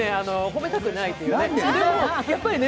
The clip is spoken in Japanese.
褒めたくないというね。